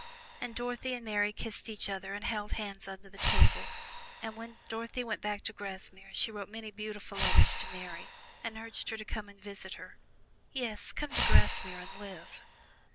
And Dorothy and Mary kissed each other and held hands under the table, and when Dorothy went back to Grasmere she wrote many beautiful letters to Mary and urged her to come and visit her yes, come to Grasmere and live.